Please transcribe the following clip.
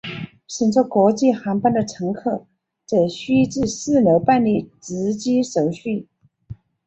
乘坐国际航班的乘客则需至四楼办理值机手续。